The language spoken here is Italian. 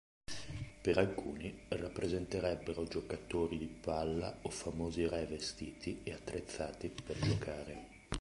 Per alcuni rappresenterebbero giocatori di palla o famosi re vestiti e attrezzati per giocare.